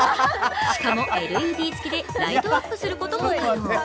しかもＬＥＤ付きでライトアップすることも可能。